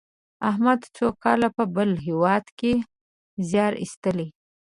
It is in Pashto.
احمد څو کاله په بل هېواد کې زیار ایستلی.